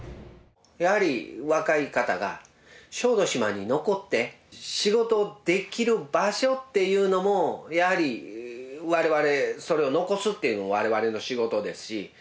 やはり若い方が小豆島に残って仕事できる場所っていうのもやはり我々それを残すっていうのは我々の仕事ですし。